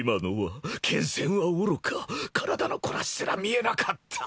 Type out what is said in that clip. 剣閃はおろか体のこなしすら見えなかった。